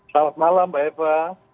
salam malam mbak heva